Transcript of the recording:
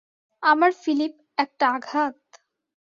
আমার ফিলিপ, একটা আঘাত?